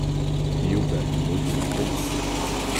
Yuba yemmut meẓẓi.